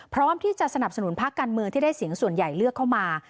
พร้อมที่จะสนับสนุนพักการเมืองที่ได้เสียงส่วนใหญ่เลือกเข้ามา